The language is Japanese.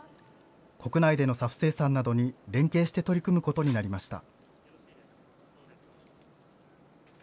国内でのＳＡＦ生産などに連携して取り組むことになりました。